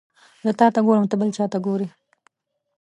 زه تاته ګورم ته بل چاته ګوري